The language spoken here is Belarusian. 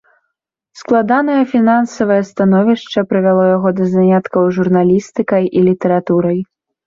Складанае фінансавае становішча прывяло яго да заняткаў журналістыкай і літаратурай.